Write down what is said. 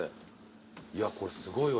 いやこれすごいわ。